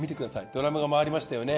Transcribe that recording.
ドラムが回りましたよね。